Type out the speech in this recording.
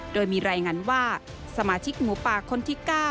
โดยมีรายงานว่าสมาชิกหมูป่าคนที่๙